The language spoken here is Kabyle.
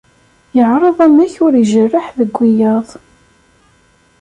Yeεreḍ amek ur ijerreḥ deg wiyaḍ.